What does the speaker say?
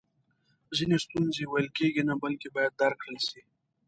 ځینې ستونزی ویل کیږي نه بلکې باید درک کړل سي!